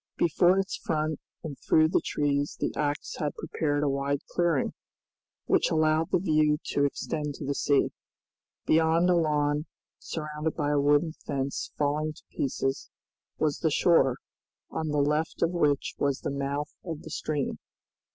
Before its front and through the trees the axe had prepared a wide clearing, which allowed the view to extend to the sea. Beyond a lawn, surrounded by a wooden fence falling to pieces, was the shore, on the left of which was the mouth of the stream.